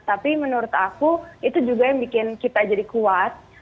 tapi menurut aku itu juga yang bikin kita jadi kuat